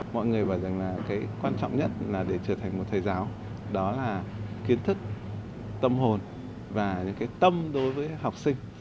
mọi người bảo rằng là cái quan trọng nhất là để trở thành một thầy giáo đó là kiến thức tâm hồn và những cái tâm đối với học sinh